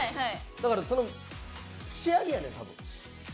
だから、仕上げやねん、多分。